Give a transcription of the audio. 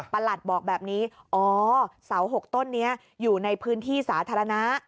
หลัดบอกแบบนี้อ๋อเสา๖ต้นนี้อยู่ในพื้นที่สาธารณะ